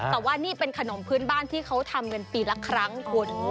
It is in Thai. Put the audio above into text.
แต่ว่านี่เป็นขนมพื้นบ้านที่เขาทำกันปีละครั้งคุณ